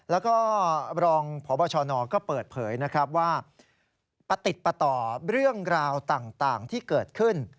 แล้วก็รองพบชนก็เปิดเผยนะครับว่าประติดประต่อเรื่องราวต่างที่เกิดขึ้น